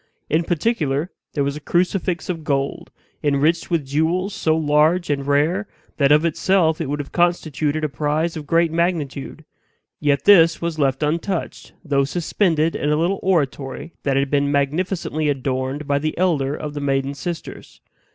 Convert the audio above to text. In particular, there was a crucifix of gold, enriched with jewels so large and rare, that of itself it would have constituted a prize of great magnitude. Yet this was left untouched, though suspended in a little oratory that had been magnificently adorned by the elder of the maiden sisters.